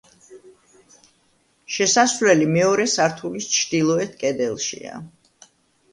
შესასვლელი მეორე სართულის ჩრდილოეთ კედელშია.